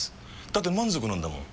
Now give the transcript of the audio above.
だって満足なんだもん。